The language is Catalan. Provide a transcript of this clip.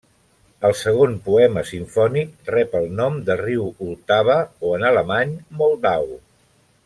El segon poema simfònic rep el nom del riu Vltava o, en alemany, Moldau.